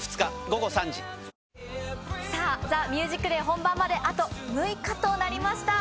『ＴＨＥＭＵＳＩＣＤＡＹ』本番まであと６日となりました。